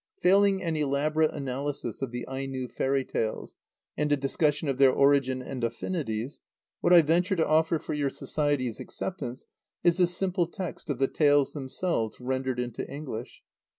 Failing an elaborate analysis of the Aino fairy tales, and a discussion of their origin and affinities, what I venture to offer for your Society's acceptance is the simple text of the tales themselves, rendered into English.